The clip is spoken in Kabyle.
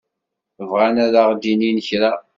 Bɣan ad aɣ-d-inin kra.